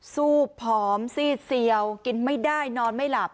สู้ผอมซีดเซียวกินไม่ได้นอนไม่หลับ